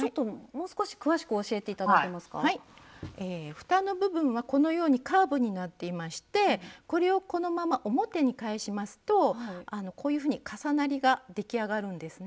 ふたの部分はこのようにカーブになっていましてこれをこのまま表に返しますとこういうふうに重なりが出来上がるんですね。